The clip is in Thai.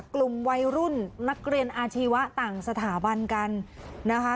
กลุ่มวัยรุ่นนักเรียนอาชีวะต่างสถาบันกันนะคะ